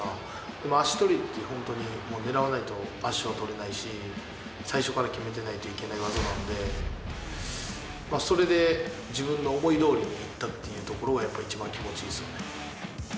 でも足取りってホントに狙わないと足を取れないし最初から決めてないといけない技なんでそれで自分の思いどおりにいったっていうところがやっぱ一番気持ちいいっすよね。